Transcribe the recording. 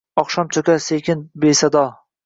Oqshom cho’kar sokin, besado